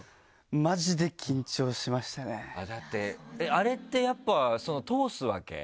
だってあれってやっぱ通すわけ？